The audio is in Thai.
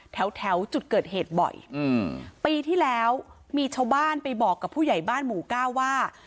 แถวแถวจุดเกิดเหตุบ่อยอืมปีที่แล้วมีชาวบ้านไปบอกกับผู้ใหญ่บ้านหมู่เก้าว่า